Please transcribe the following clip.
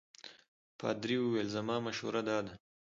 پادري وویل زما مشوره دا ده.